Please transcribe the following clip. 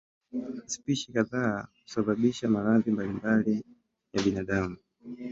Spishi kadhaa husababisha maradhi mbalimbali ya binadamu.